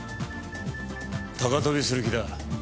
高飛びする気だ。